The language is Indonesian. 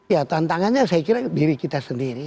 ya tantangannya saya kira diri kita sendiri